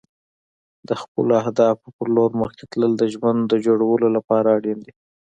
د خپلو اهدافو په لور مخکې تلل د ژوند د جوړولو لپاره اړین دي.